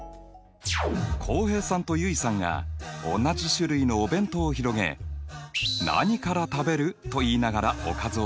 浩平さんと結衣さんが同じ種類のお弁当を広げ「何から食べる？」と言いながらおかずを選んでいます。